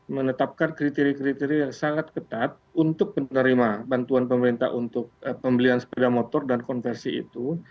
menetapkan kriteria kriteria yang sangat ketat untuk penerima bantuan pemerintah untuk pembelian sepeda motor dan konversi itu